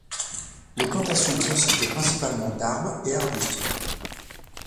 Les plantations consistent principalement d'arbres et arbustes.